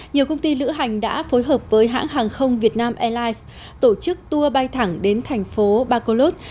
nhiều công ty lữ hành đã phối hợp với hãng hàng không việt nam airlines tổ chức tour bay thẳng đến thành phố bacolod